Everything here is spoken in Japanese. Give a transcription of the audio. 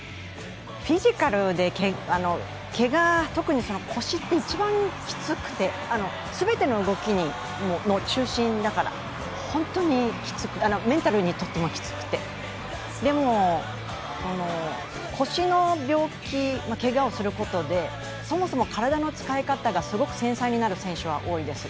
フィジカルで、けが、特に腰って一番、きつくて全ての動きの中心だから、本当にメンタルにとってもきつくて、でも、腰の病気、けがをすることでそもそも体の使い方が、すごく繊細になる選手は多いです。